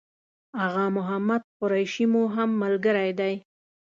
آغا محمد قریشي مو هم ملګری دی.